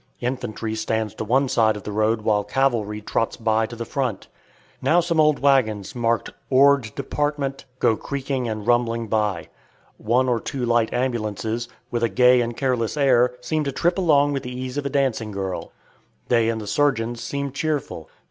Infantry stands to one side of the road while cavalry trots by to the front. Now some old wagons marked "Ord. Dept." go creaking and rumbling by. One or two light ambulances, with a gay and careless air, seem to trip along with the ease of a dancing girl. They and the surgeons seem cheerful.